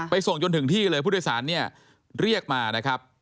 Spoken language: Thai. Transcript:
ไปส่งจนถึงที่เลยผู้โดยสารเรียกมา